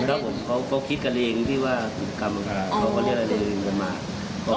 ครับผมเขาเข้าคิดกันเองที่ว่าคุณกรรมค่ะเขาก็เรียนอะไรยนต์มา